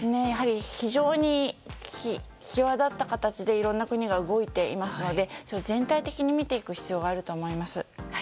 やはり非常に際立った形でいろんな国が動いていますので全体的に見ていく必要があると思います。